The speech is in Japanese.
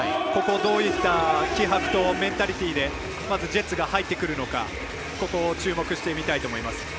ここをどういった気迫とメンタリティーでまずジェッツが入ってくるのかをここを注目してみたいと思います。